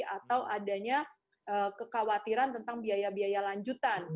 atau adanya kekhawatiran tentang biaya biaya lanjutan